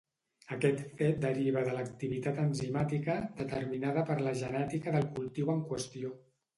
Aquest fet deriva de l'activitat enzimàtica, determinada per la genètica del cultiu en qüestió.